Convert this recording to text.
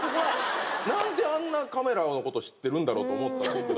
何であんなカメラのこと知ってるんだろうと思ったけど。